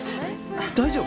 大丈夫？